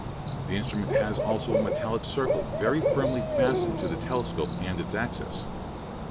The instrument has also a metallic circle very firmly fastened to the telescope and its axis.